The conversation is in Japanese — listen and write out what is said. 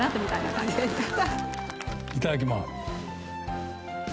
いただきます。